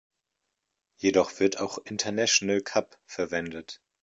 Jedoch wird auch „International Cup“ verwendet.